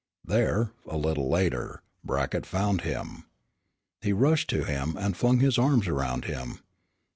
There, a little later, Brackett found him. He rushed to him, and flung his arms around him.